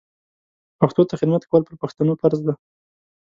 پښتو ته خدمت کول پر پښتنو فرض ده